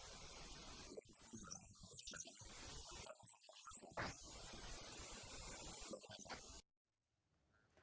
เพื่อให้ชาวทันมีแค่ดับที่อยากบอกว่าจะอยากทิ้งแล้วไหว